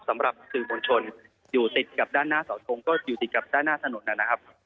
สำหรับสื่อมวลชนอยู่ติดกับด้านหน้าเสาทงก็อยู่ติดกับด้านหน้าถนนนะครับ